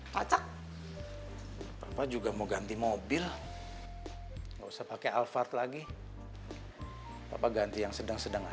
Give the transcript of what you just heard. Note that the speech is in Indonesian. op perempuan juga mau ganti mobil hai terus pakai alphard lagi apa ganti yang sedang sedang ajalah